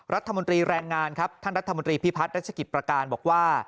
รัฐมนตรีแรงงานครับท่านรัฐมนตรีพิพัฒนรัชกิจประการบอกว่า